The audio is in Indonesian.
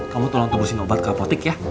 kamu tolong tembusin obat ke apotek ya